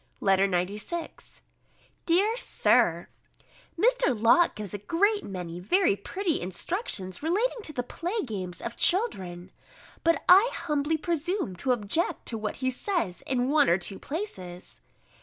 B. LETTER XCVI DEAR SIR, Mr. Locke gives a great many very pretty instructions relating to the play games of children: but I humbly presume to object to what he says in one or two places.